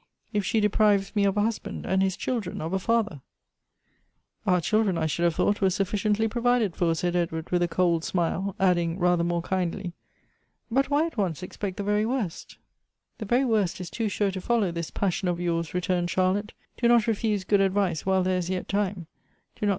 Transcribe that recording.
" If she deprives me of a husband, and his chil dren of a father !"" Our children, I should have thought, were sufficiently pi ovided for," said Edward, with a cold smile ; adding, rather more kindly, " but why at once expect the very woret?" Elective Affinities. 131 " The very worst is .too sure to follow this passion of yourSj'lj returned Charlotte: "do not refuse good advice while there is yet time ; do not.